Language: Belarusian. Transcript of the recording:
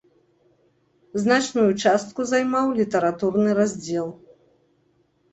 Значную частку займаў літаратурны раздзел.